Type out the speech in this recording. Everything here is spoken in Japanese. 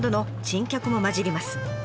珍客も交じります。